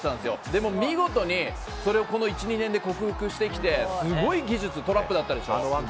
でも見事に、それをこの１２年で克服してきてすごい技術トラップだったでしょう。